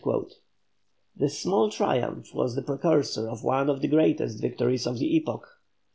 This small triumph was the precursor of one of the greatest victories of the epoch.